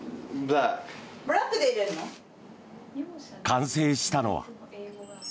完成したのは。